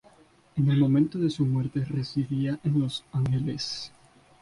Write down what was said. En el momento de su muerte residía en Los Ángeles.